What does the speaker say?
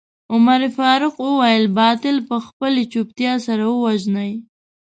عمر فاروق وويل باطل په خپلې چوپتيا سره ووژنئ.